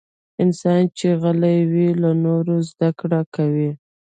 انسان چې غلی وي، له نورو زدکړه کوي.